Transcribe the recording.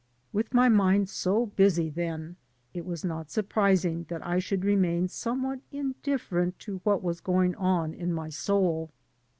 With my mind so busy, then, it was not surprising that I should remain somewhat indifferelit to what was going on in my soul.